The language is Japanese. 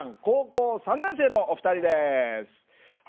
高校３年生のお二人です。